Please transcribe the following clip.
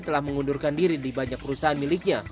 telah mengundurkan diri di banyak perusahaan miliknya